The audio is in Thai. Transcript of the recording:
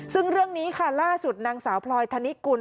ซึ่งเรื่องนี้ค่ะล่าสุดนางสาวพลอยธนิกุล